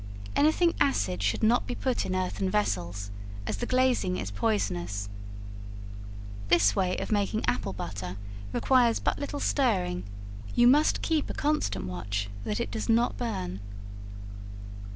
Any thing acid should not be put in earthen vessels, as the glazing is poisonous. This way of making apple butter requires but little stirring; you must keep a constant watch that it does not burn.